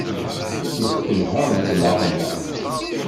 Nesselha igmaḍ-nneɣ.